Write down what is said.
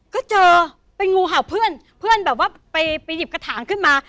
ก็เจอเป็นงูเห่าเพื่อนเพื่อนแบบว่าไปหยิบกระถางขึ้นมา